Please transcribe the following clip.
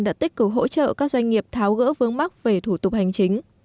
đã tích cử hỗ trợ các doanh nghiệp tháo gỡ vướng mắc về thủ tục hành chính